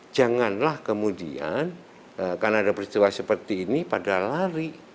janganlah kemudian karena ada peristiwa seperti ini padahal lari